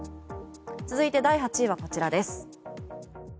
続いて、第８位はこちらです。